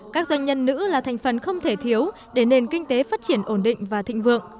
các doanh nhân nữ là thành phần không thể thiếu để nền kinh tế phát triển ổn định và thịnh vượng